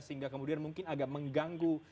sehingga kemudian mungkin agak mengganggu